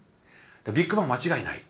ビッグバン間違いない。